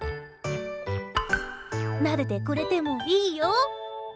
なでてくれてもいいよ？